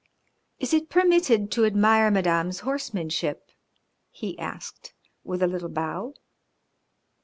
"Is it permitted to admire Madame's horsemanship?" he asked, with a little bow.